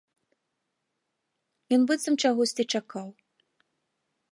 Ён быццам чагосьці чакаў.